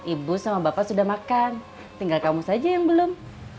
ibu sama bapak sudah makan tinggal kamu saja yang belum